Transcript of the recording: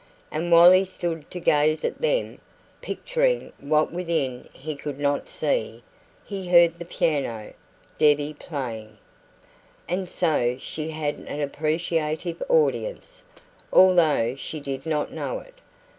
And while he stood to gaze at them, picturing what within he could not see, he heard the piano Debbie playing. And so she had an appreciative audience, although she did not know it.